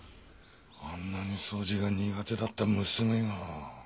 あんなに掃除が苦手だった娘が。